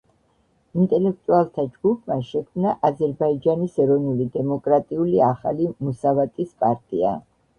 ინტელექტუალთა ჯგუფმა შექმნა „აზერბაიჯანის ეროვნული დემოკრატიული ახალი მუსავატის პარტია“.